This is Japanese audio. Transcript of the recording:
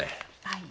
はい。